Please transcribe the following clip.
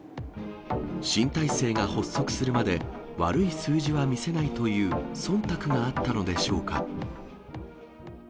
新体制が発足するまで、悪い数字は見せないというそんたくがあったのでしょうか。